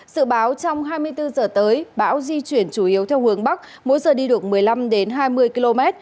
sự báo trong hai mươi bốn giờ tới bão di chuyển chủ yếu theo hướng bắc mỗi giờ đi được một mươi năm hai mươi km